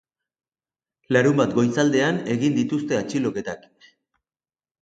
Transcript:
Larunbat goizaldean egin dituzte atxiloketak.